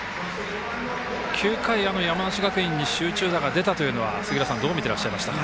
９回、山梨学院に集中打が出たというのは杉浦さん、どう見ていましたか？